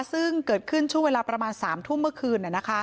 ซึ่งเกิดขึ้นช่วงเวลาประมาณ๓ทุ่มเมื่อคืน